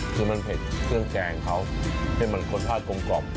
คือมันเผ็ดเครื่องแกงเขาให้มันรสชาติกลมกล่อม